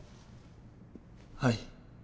はい。